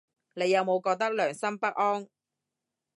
你有冇覺得良心不安